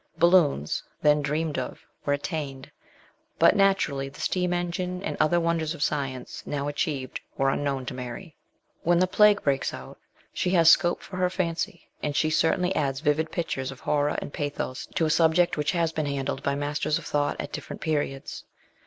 Balloons, then dreamed of, were attained ; but naturally the steam engine and other wonders of science, now achieved, were unknown to Mary. When the plague breaks out she has scope for her 188 MBS. SHELLEY. fancy, and she certainly adds vivid pictures of horror and pathos to a subject which has been handled by masters of thought at different periods.